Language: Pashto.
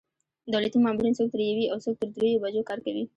دولتي مامورین څوک تر یوې او څوک تر درېیو بجو کار کوي.